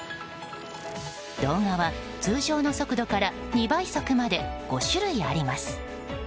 動画は通常の速度から２倍速まで５種類あります。